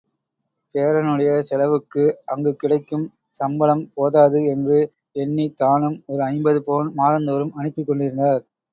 பேரனுடைய செலவுக்கு அங்குக் கிடைக்கும் சம்பளம் போதாது என்று எண்ணித் தானும் ஒரு ஐம்பது பவுன் மாதந்தோறும் அனுப்பிக்கொண்டிருந்தார்.